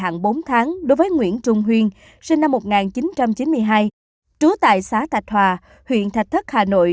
trong thời hạn bốn tháng đối với nguyễn trung huyên sinh năm một nghìn chín trăm chín mươi hai trú tại xá thạch hòa huyện thạch thất hà nội